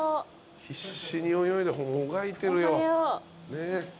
必死に泳いでもがいてるよ。